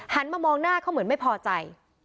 หันมามองหน้าก็เหมือนไม่พอใจ